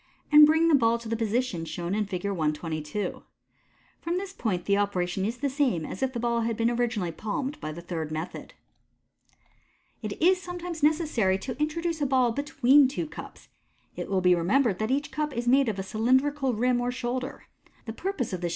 and bring the hall to the position shown in Fig. 122. From this point the operation is the same as if the ball had been originally palmed by the third method. It is sometimes necessary to introduce a ball between two cups. It will be remembered that each cup is made with a cylindrical rim or shoulder. The purpose of this sh.